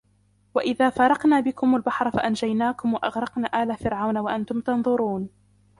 وإذ فرقنا بكم البحر فأنجيناكم وأغرقنا آل فرعون وأنتم تنظرون